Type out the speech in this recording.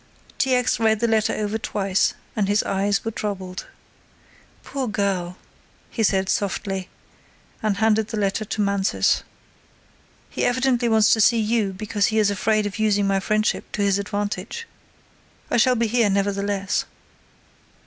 T. X. read the letter over twice and his eyes were troubled. "Poor girl," he said softly, and handed the letter to Mansus. "He evidently wants to see you because he is afraid of using my friendship to his advantage. I shall be here, nevertheless."